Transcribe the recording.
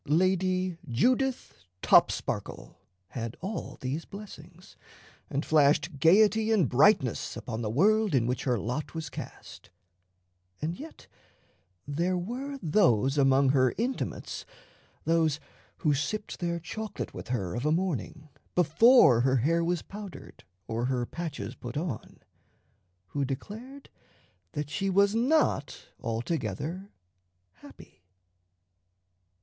Lady Judith Topsparkle had all these blessings, and flashed gayety and brightness upon the world in which her lot was cast; and yet there were those among her intimates, those who sipped their chocolate with her of a morning before her hair was powdered or her patches put on, who declared that she was not altogether happy.